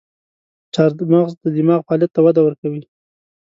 چارمغز د دماغ فعالیت ته وده ورکوي.